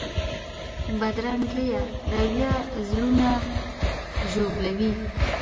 بدرنګه رویه زړونه ژوبلوي